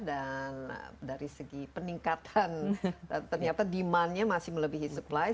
dan dari segi peningkatan ternyata demandnya masih melebihi supply